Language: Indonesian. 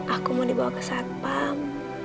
aku mau dibawa ke satpam